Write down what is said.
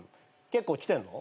結構来てるの？